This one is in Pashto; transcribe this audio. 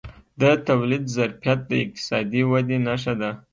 د تولید ظرفیت د اقتصادي ودې نښه ده.